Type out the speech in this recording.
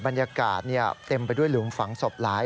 บรรยากาศเต็มไปด้วยหลุมฝังศพหลาย